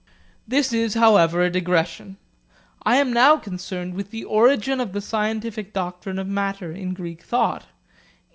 This is however a digression. I am now concerned with the origin of the scientific doctrine of matter in Greek thought.